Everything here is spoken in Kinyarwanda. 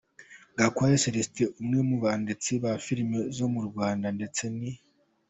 Gakwaya Celestin umwe mu banditsi ba filimi zo mu Rwanda ndetse ni.